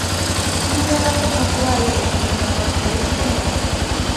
Tulibeerako n'okuwaayo obuyinza kwa pulezidenti?